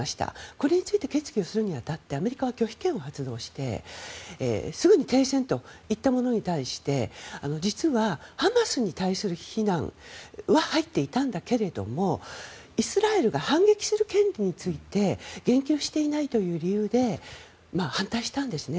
これについて決議をするに当たってアメリカは拒否権を発動してすぐに停戦といったものに対して実はハマスに対する非難は入っていたんだけれどもイスラエルが反撃する権利について言及していないという理由で反対したんですね。